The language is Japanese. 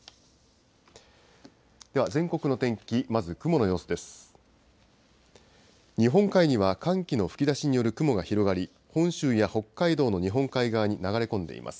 では全国の天気、まず雲の様子です。